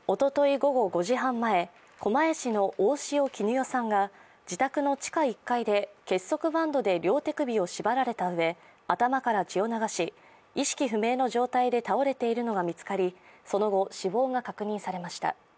午後５時半前狛江市の大塩衣与さんが自宅の地下１階で結束バンドで両手首を縛られたうえ、頭から血を流し意識不明の状態で倒れているのが見つかり、その後、死亡が確認されました。